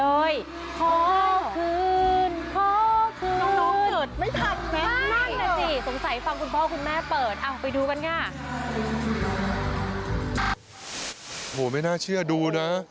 โอ้โหไม่น่าเชื่อดูนะ